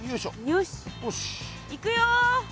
よしいくよ。